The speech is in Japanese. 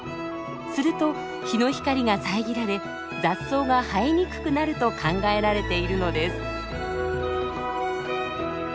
すると日の光が遮られ雑草が生えにくくなると考えられているのです。